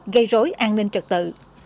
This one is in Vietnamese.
gây rối an ninh trật tự